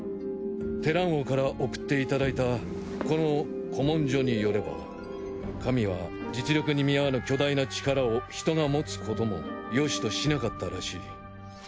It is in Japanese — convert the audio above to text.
テラン王から送っていただいたこの古文書によれば神は実力に見合わぬ巨大な力を人が持つこともよしとしなかったらしい。